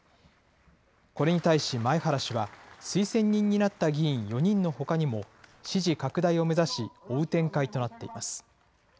これに対し、前原氏は推薦人になった議員４人のほかにも、支持拡大を目指し、追う展開となっています。